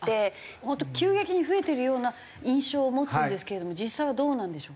本当急激に増えてるような印象を持つんですけれども実際はどうなんでしょう？